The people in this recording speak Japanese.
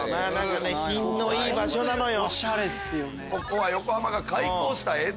品のいい場所なのよ。